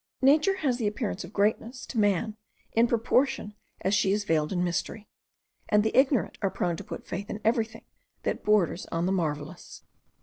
Nature has the appearance of greatness to man in proportion as she is veiled in mystery; and the ignorant are prone to put faith in everything that borders on the marvellous.